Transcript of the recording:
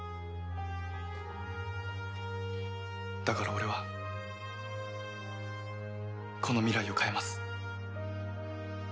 だから俺はこの未来を変えます。